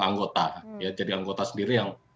anggota ya jadi anggota sendiri yang